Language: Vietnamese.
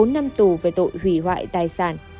bốn năm tù về tội hủy hoại tài sản